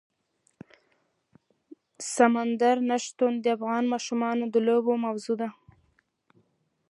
سمندر نه شتون د افغان ماشومانو د لوبو موضوع ده.